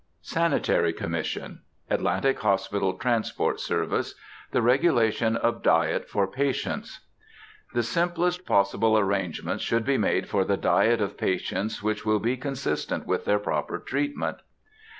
SANITARY COMMISSION. Atlantic Hospital Transport Service. THE REGULATION OF DIET FOR PATIENTS. The simplest possible arrangements should be made for the diet of patients which will be consistent with their proper treatment.